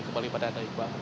kembali pada anda iqbal